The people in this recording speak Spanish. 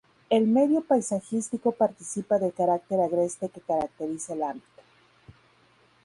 El medio paisajístico participa del carácter agreste que caracteriza el ámbito.